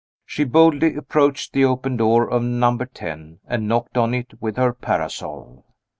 She boldly approached the open door of No. 10, and knocked on it with her parasol.